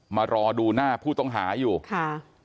มารอดูหน้าผู้ต้องหาอยู่ค่ะ